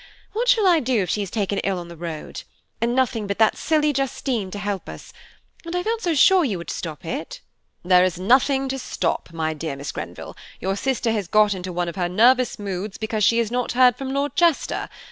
what shall I do if she is taken ill on the road? and nothing but that silly Justine to help us, and I felt so sure you would stop it." "There is nothing to stop, my dear Miss Grenville. Your sister has got into one of her nervous moods because she has not heard from Lord Chester.